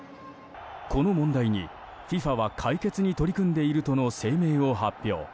この問題にＦＩＦＡは、解決に取り組んでいるとの声明を発表。